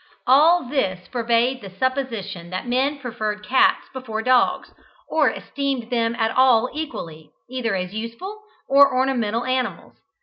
All this forbad the supposition that men preferred cats before dogs, or esteemed them at all equally, either as useful or ornamental animals.